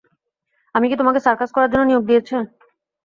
আমি কী তোমাকে সার্কাস করার জন্য নিয়োগ দিয়েছে?